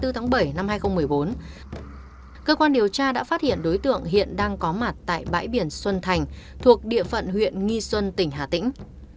thông qua sàng lọc đối tượng chiều muộn ngày hai mươi bốn tháng bảy năm hai nghìn một mươi bốn cơ quan điều tra đã phát hiện đối tượng hiện đang có mặt tại bãi biển xuân thành thuộc địa phận huyện nghi xuân tỉnh hà tĩnh